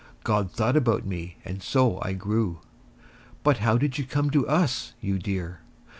God thought about me, and so I grew. But how did you come to us, you dear?